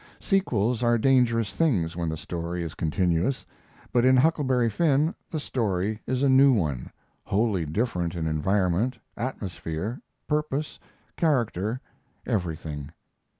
Sequels are dangerous things when the story is continuous, but in Huckleberry Finn the story is a new one, wholly different in environment, atmosphere, purpose, character, everything.